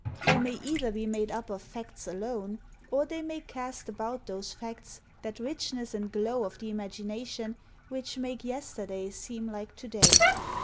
They may either be made up of facts alone, or they may cast about those facts that richness and glow of the imagination which make yesterday seem hke to day.